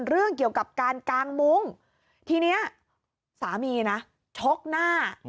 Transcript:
เรื่องเกี่ยวกับการกางมุ้งทีนี้สามีนะชกหน้า